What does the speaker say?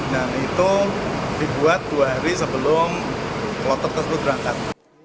dan itu dibuat dua hari sebelum kloter tersebut berangkat